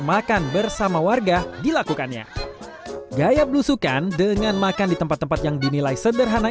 makan bersama warga dilakukannya gaya belusukan dengan makan di tempat tempat yang dinilai sederhana